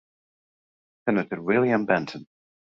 Senator William Benton.